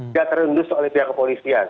tidak terendus oleh pihak kepolisian